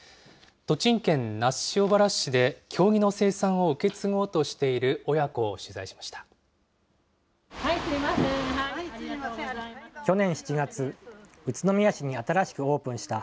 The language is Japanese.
栃木県那須塩原市で、経木の生産を受け継ごうとしている親子を取材しました。